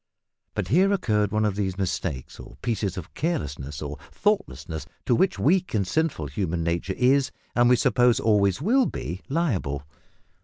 But here occurred one of these mistakes, or pieces of carelessness, or thoughtlessness, to which weak and sinful human nature is, and we suppose always will be, liable.